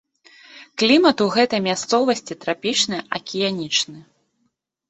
Клімат у гэтай мясцовасці трапічны акіянічны.